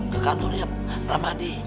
ke kantornya ramadi